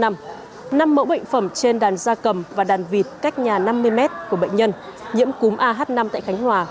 năm mẫu bệnh phẩm trên đàn da cầm và đàn vịt cách nhà năm mươi m của bệnh nhân nhiễm cúm ah năm tại khánh hòa